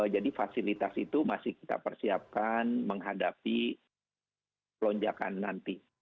jadi fasilitas itu masih kita persiapkan menghadapi lonjakan nanti